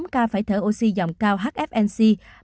hai mươi tám ca phải thở oxy dòng cao hfnc